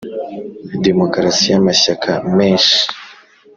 demokarasi y’amashyaka menshi.